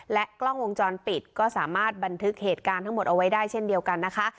กล้องวงจรปิดก็สามารถบันทึกเหตุการณ์ทั้งหมดเอาไว้ได้เช่นเดียวกันนะคะ